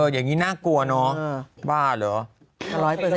อย่างนี้น่ากลัวเนอะบ้าเหรอ